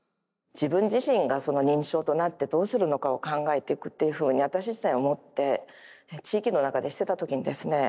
自分自身が認知症となってどうするのかを考えていくっていうふうに私自体思って地域の中でしてた時にですね